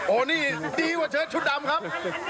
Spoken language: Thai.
โอ้โหนี่ดีกว่าเชิดชุดดำครับ